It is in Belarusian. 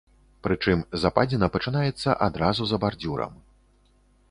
Прычым западзіна пачынаецца адразу за бардзюрам.